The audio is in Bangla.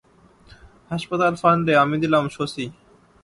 হাসপাতাল ফন্ডে আমি দিলাম শশী।